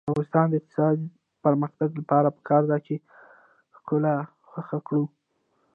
د افغانستان د اقتصادي پرمختګ لپاره پکار ده چې ښکلا خوښه کړو.